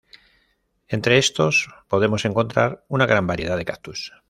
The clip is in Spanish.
Entre estos podemos encontrar una gran variedad de cactus.